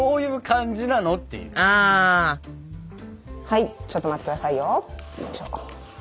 はいちょっと待ってくださいよ。